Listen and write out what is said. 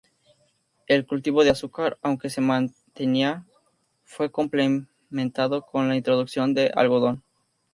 El cultivo de azúcar, aunque se mantenía, fue complementado con la introducción del algodón.